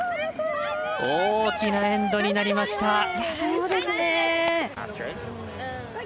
大きなエンドになりました。